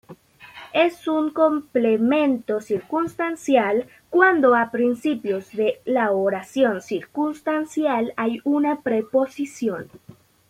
Es un complemento circunstancial cuando a principios de la oración circunstancial hay una preposición.